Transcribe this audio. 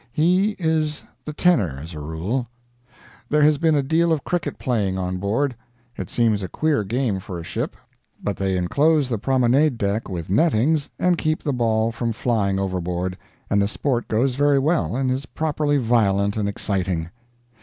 He is the tenor, as a rule .... There has been a deal of cricket playing on board; it seems a queer game for a ship, but they enclose the promenade deck with nettings and keep the ball from flying overboard, and the sport goes very well, and is properly violent and exciting